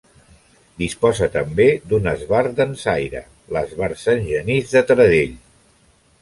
Disposa també d'un esbart dansaire, l'Esbart Sant Genís de Taradell.